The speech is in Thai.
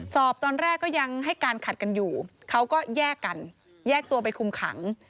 ตอนแรกก็ยังให้การขัดกันอยู่เขาก็แยกกันแยกตัวไปคุมขัง